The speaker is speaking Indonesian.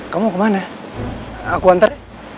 kamu mau kemana aku hantar